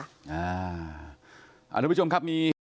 อ่าอาทิตย์ผู้ชมครับ